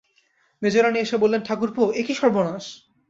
মেজোরানী এসে বললেন, ঠাকুরপো, এ কী সর্বনাশ!